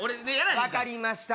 分かりました！